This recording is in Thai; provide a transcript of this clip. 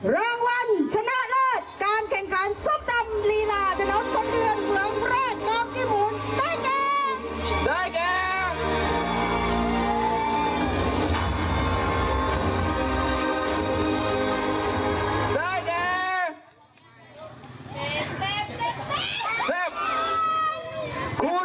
รางวัลชนะเลิศการแข่งขันสบดำหลีลาดนตรนเดือนเหลืองแรกเงาขี้หมูได้แกง